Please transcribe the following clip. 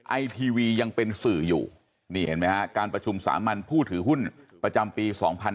ไอทีวียังเป็นสื่ออยู่นี่เห็นไหมฮะการประชุมสามัญผู้ถือหุ้นประจำปี๒๕๕๙